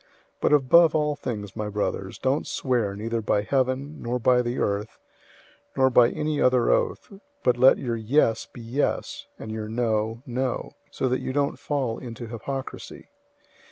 005:012 But above all things, my brothers, don't swear, neither by heaven, nor by the earth, nor by any other oath; but let your "yes" be "yes," and your "no," "no;" so that you don't fall into hypocrisy.